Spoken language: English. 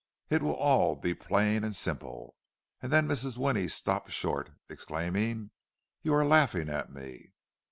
It will all be plain and simple—" and then Mrs. Winnie stopped short, exclaiming, "You are laughing at me!"